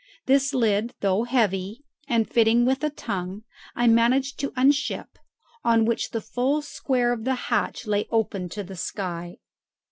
This lid, though heavy, and fitting with a tongue, I managed to unship, on which the full square of the hatch lay open to the sky.